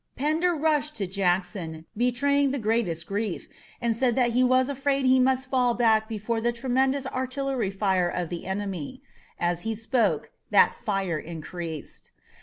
Pender rushed to Jackson, betraying the greatest grief, and said that he was afraid he must fall back before the tremendous artillery fire of the enemy. As he spoke, that fire increased.